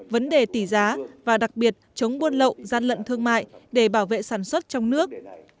vấn đề tỷ giá và đặc biệt chống buôn lậu gian lận thương mại để bảo vệ sản xuất trong nước